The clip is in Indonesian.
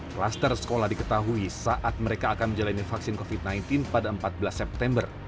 kluster sekolah diketahui saat mereka akan menjalani vaksin covid sembilan belas pada empat belas september